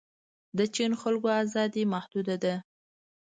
د چین خلکو ازادي محدوده ده.